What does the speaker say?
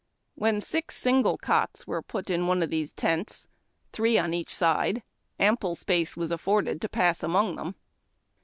When six single cots were put in one of these tents, three on each side, ample space was ;iiroi(|ftd to pass among them.